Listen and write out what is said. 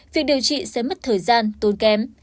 việc điều trị sẽ mất thời gian tốn kém